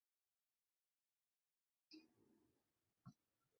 Nega endi u tug`ishi kerak